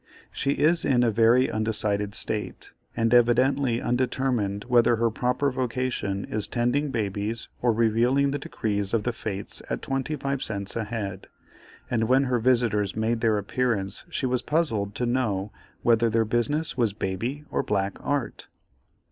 She is in a very undecided state, and evidently undetermined whether her proper vocation is tending babies or revealing the decrees of the fates at twenty five cents a head, and when her visitors made their appearance she was puzzled to know whether their business was baby or black art.